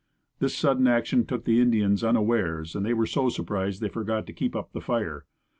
This sudden action took the Indians unawares and they were so surprised they forgot to keep up the fire.